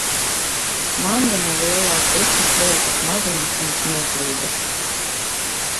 Man viņa lielās dusmas liekas maziņas un smieklīgas.